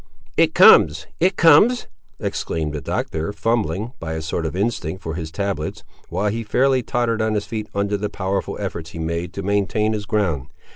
"It comes! it comes!" exclaimed the Doctor, fumbling, by a sort of instinct, for his tablets, while he fairly tottered on his feet under the powerful efforts he made to maintain his ground.